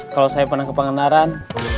kalau saya pernah kepengenaran